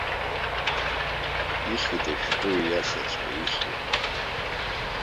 Ихьит ашәҟәыҩҩы иашаҵәҟьа ихьуа.